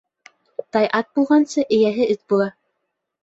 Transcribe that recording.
Тай ат булғансы, эйәһе эт була.